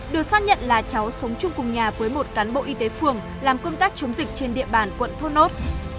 được xác nhận là cháu sống chung cùng nhà với một cán bộ y tế phường làm công tác chống dịch trên địa bàn quận thốt nốt